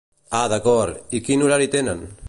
Ah d'acord, i quin horari tenen?